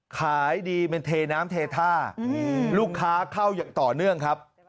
ขายดีเป็นเทน้ำเทท่าลูกค้าเข้าอย่างต่อเนื่องครับ